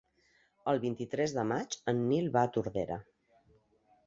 El vint-i-tres de maig en Nil va a Tordera.